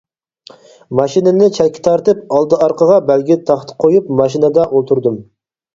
ماشىنىنى چەتكە تارتىپ، ئالدى-ئارقىغا بەلگە تاختا قويۇپ، ماشىنىدا ئولتۇردۇم.